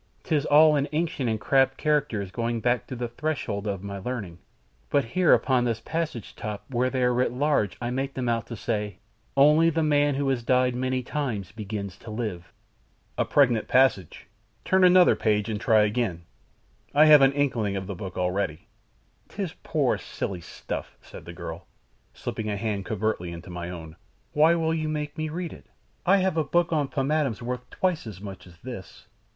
'Tis all in ancient and crabbed characters going back to the threshold of my learning, but here upon this passage top where they are writ large I make them out to say, 'ONLY THE MAN WHO HAS DIED MANY TIMES BEGINS TO LIVE.'" "A pregnant passage! Turn another page, and try again; I have an inkling of the book already." "'Tis poor, silly stuff," said the girl, slipping a hand covertly into my own. "Why will you make me read it? I have a book on pomatums worth twice as much as this."